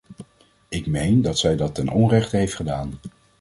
Ik meen dat zij dat ten onrechte heeft gedaan.